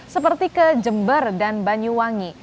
seperti ke jember dan banyuwangi